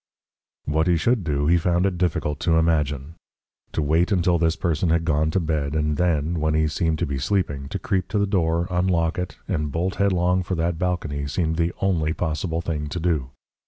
What he should do he found it difficult to imagine. To wait until this person had gone to bed, and then, when he seemed to be sleeping, to creep to the door, unlock it, and bolt headlong for that balcony seemed the only possible thing to do.